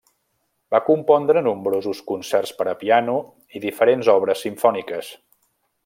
Va compondre nombrosos concerts per a piano i diferents obres simfòniques.